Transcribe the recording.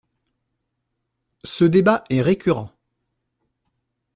Ce débat est récurrent.